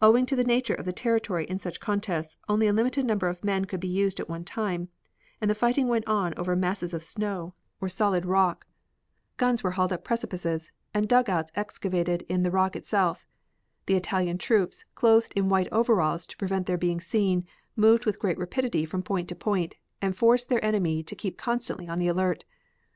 Owing to the nature of the territory in such contests, only a limited number of men could be used at one time, and the fighting went on over masses of snow or solid rock. Guns were hauled up precipices and dugouts excavated in the rock itself. The Italian troops, clothed in white overalls to prevent their being seen, moved with great rapidity from point to point, and forced their enemy to keep constantly on the alert.